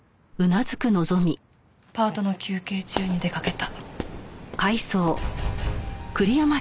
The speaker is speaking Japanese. パートの休憩中に出かけた。